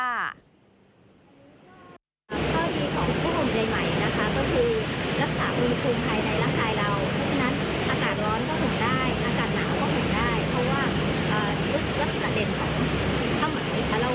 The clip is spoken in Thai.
ข้อดีของพระห่มใยไหมนะคะ